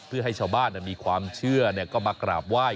เพื่อให้ชาวบ้านมีความเชื่อก็มากราบไหว้